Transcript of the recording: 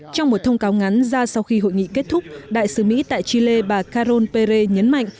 trong một thông cáo ngắn ra sau khi hội nghị kết thúc đại sứ mỹ tại chile bà karon pere nhấn mạnh